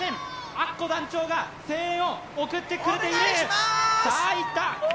アッコ団長が声援を送ってくれているお願いします